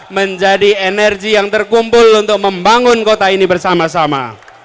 menjadi energi yang terkumpul untuk membangun kota ini bersama sama